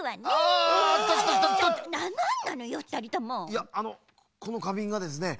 いやあのこのかびんがですね